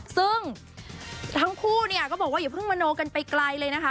ซึ่งทั้งคู่เนี่ยก็บอกว่าอย่าเพิ่งมโนกันไปไกลเลยนะคะ